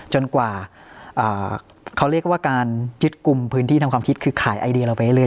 จนกว่าเขาเรียกว่าการยึดกลุ่มพื้นที่ทำความคิดคือขายไอเดียเราไปเรื่อ